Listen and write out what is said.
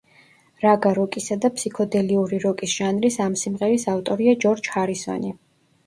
რაგა როკისა და ფსიქოდელიური როკის ჟანრის ამ სიმღერის ავტორია ჯორჯ ჰარისონი.